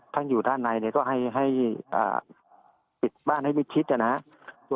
ท่านอยู่ด้านในก็ให้ปิดบ้านให้มิดชิดนะครับ